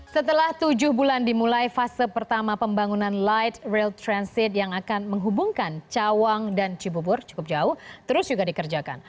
setelah tujuh bulan dimulai fase pertama pembangunan light rail transit yang akan menghubungkan cawang dan cibubur cukup jauh terus juga dikerjakan